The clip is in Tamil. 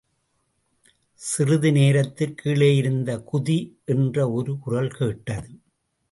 சிறிது நேரத்தில் கீழேயிருந்து குதி! என்ற ஒரு குரல் கேட்டது.